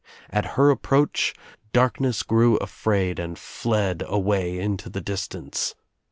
At her approach darkness grew afraid and fled away into the distance.